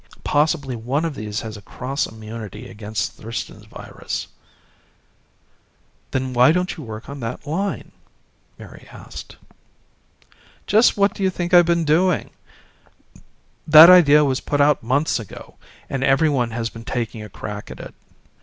Possibly one of these has a cross immunity against Thurston's virus." "Then why don't you work on that line?" Mary asked. "Just what do you think I've been doing? That idea was put out months ago, and everyone has been taking a crack at it.